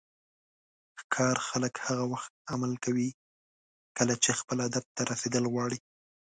ښکار خلک هغه وخت عمل کوي کله چې خپل هدف ته رسیدل غواړي.